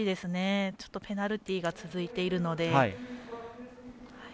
ちょっとペナルティーが続いているので。